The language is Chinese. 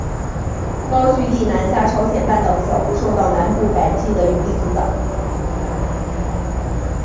高句丽南下朝鲜半岛的脚步受到南部百济的有力阻挡。